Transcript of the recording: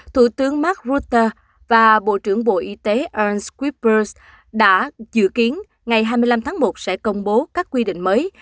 thủ tướng mark rutte và bộ trưởng bộ y tế an skippers đã dự kiến ngày hai mươi năm tháng một sẽ công bố các quy định mới